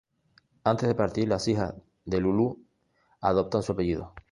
Antes de partir las hijas de Lulú adoptan su apellido.